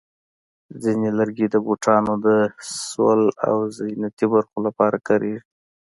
ځینې لرګي د بوټانو د سول او زینتي برخو لپاره کارېږي.